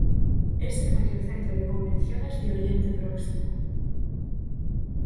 Es el mayor centro de convenciones de Oriente Próximo.